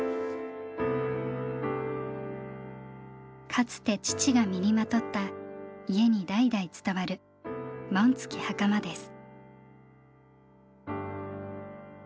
かつて父が身にまとった家に代々伝わる紋付きはかまです。